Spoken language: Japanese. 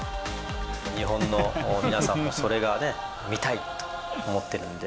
日本の皆さんもそれがね、見たいと思ってるんで。